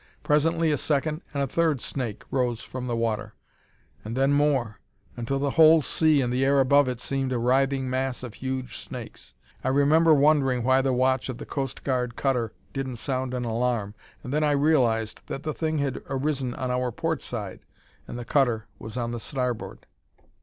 Presently a second and a third snake arose from the water, and then more, until the whole sea and the air above it seemed a writhing mass of huge snakes. I remember wondering why the watch of the Coast Guard cutter didn't sound an alarm, and then I realized that the thing had arisen on our port side and the cutter was on the starboard.